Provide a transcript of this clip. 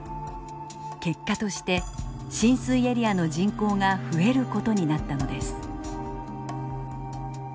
結果として浸水エリアの人口が増えることになったのです。